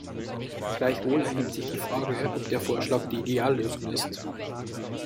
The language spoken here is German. Gleichwohl erhebt sich die Frage, ob der Vorschlag die Ideallösung ist.